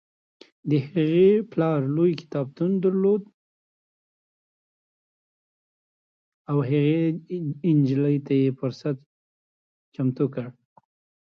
د هغې پلار لوی کتابتون درلود او جین ته یې فرصت برابر کړ.